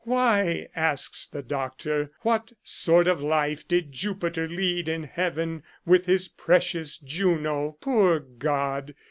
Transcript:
Why, asks the doctor, what sort of a life did Jupiter lead in heaven with his precious Juno ? Poor god